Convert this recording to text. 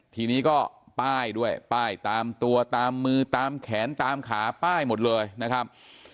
ทีนี้ก็ป้ายด้วยป้ายตามตัวตามมือตามแขนตามขาป้ายหมดเลยนะครับ